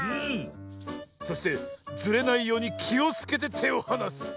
そしてずれないようにきをつけててをはなす。